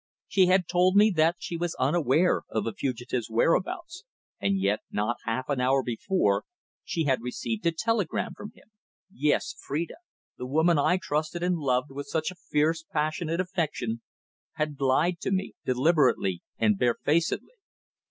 She had told me that she was unaware of the fugitive's whereabouts, and yet not half an hour before she had received a telegram from him. Yes, Phrida the woman I trusted and loved with such a fierce, passionate affection, had lied to me deliberately and barefacedly.